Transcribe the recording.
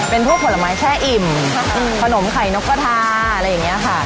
เป็นพวกผลไม้แช่อิ่มขนมไข่นกกระทาอะไรอย่างนี้ค่ะ